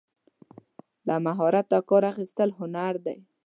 له مهارته کار اخیستل هنر دی.